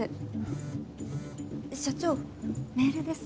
社長メールです。